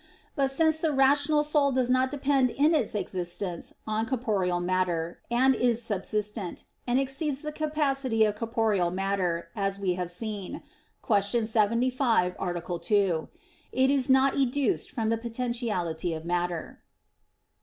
But since the rational soul does not depend in its existence on corporeal matter, and is subsistent, and exceeds the capacity of corporeal matter, as we have seen (Q. 75, A. 2), it is not educed from the potentiality of matter.